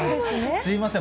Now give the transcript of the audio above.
すみません。